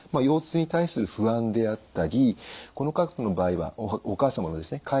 腰痛に対する不安であったりこの方の場合はお母様のですね